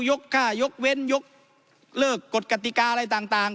ค่ายกเว้นยกเลิกกฎกติกาอะไรต่าง